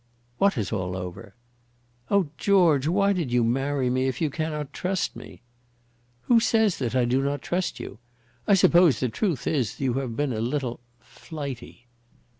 "What is all over?" "Oh, George, why did you marry me, if you cannot trust me?" "Who says that I do not trust you? I suppose the truth is you have been a little flighty."